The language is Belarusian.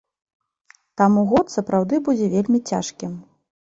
Таму год сапраўды будзе вельмі цяжкім.